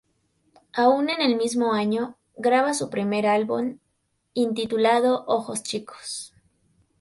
Aún en el mismo año, graba su primer álbum, intitulado "Ojos Chicos".